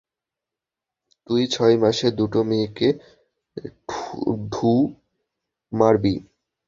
তুই ছয় মাসে দুটো মেয়েকে ঢুঁ মারবি।